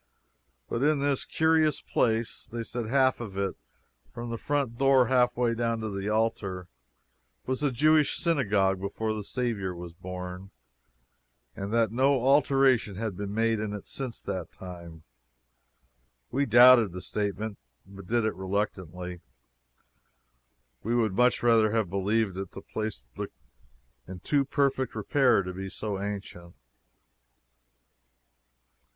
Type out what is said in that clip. But it is a curious place. They said that half of it from the front door halfway down to the altar was a Jewish synagogue before the Saviour was born, and that no alteration had been made in it since that time. We doubted the statement, but did it reluctantly. We would much rather have believed it. The place looked in too perfect repair to be so ancient.